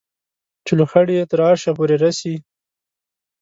چې لوخړې یې تر عرشه پورې رسي